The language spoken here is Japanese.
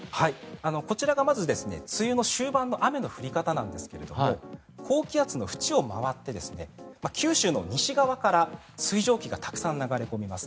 こちらがまず梅雨の終盤の雨の降り方なんですが高気圧の縁を回って九州の西側から水蒸気がたくさん流れ込みます。